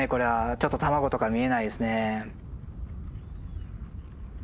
ちょっと卵とか見えないですね。